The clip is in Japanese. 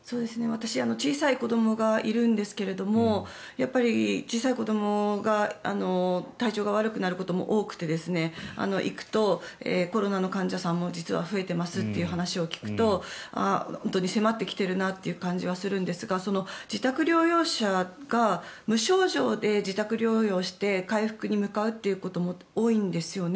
私は小さい子どもがいるんですけどやっぱり小さい子どもが体調が悪くなることも多くて行くとコロナの患者さんも実は増えていますという話を聞くと本当に迫ってきているなという感じはするんですが自宅療養者が無症状で自宅療養して回復に向かうということも多いんですよね。